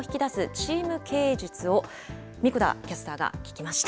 チーム経営術を、神子田キャスターが聞きました。